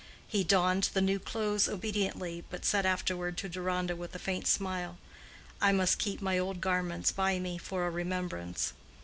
He donned the new clothes obediently, but said afterward to Deronda, with a faint smile, "I must keep my old garments by me for a remembrance."